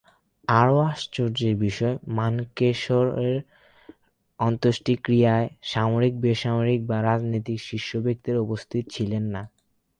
আরও আশ্চর্যের বিষয়, মানেকশ’র অন্ত্যেষ্টিক্রিয়ায় সামরিক-বেসামরিক বা রাজনৈতিক শীর্ষ ব্যক্তিরা উপস্থিত ছিলেন না।